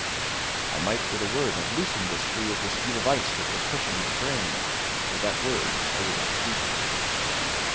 I might with a word have loosened the screw of the steel vice that was crushing his brain; but that word I would not speak.